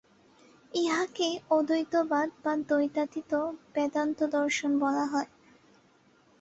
ইহাকেই অদ্বৈতবাদ বা দ্বৈতাতীত বেদান্তদর্শন বলা হয়।